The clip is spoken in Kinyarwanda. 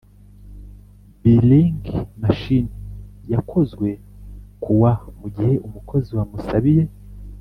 Billing Machine yakozwe ku wa mu gihe umukozi wamusabiye